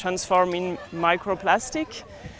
dan menjadi mikroplastik